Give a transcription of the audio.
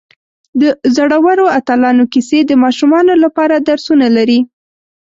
د زړورو اتلانو کیسې د ماشومانو لپاره درسونه لري.